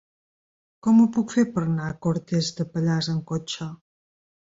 Com ho puc fer per anar a Cortes de Pallars amb cotxe?